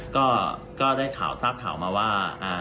ก็ได้ข่าวทราบข่าวมาว่า